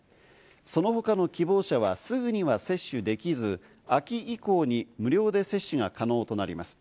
その他の希望者はすぐには接種できず、秋以降に無料で接種が可能となります。